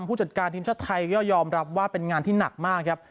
ผู้จัดการทีมชาติไทยก็ยอมรับว่าเป็นงานที่หนักมากครับ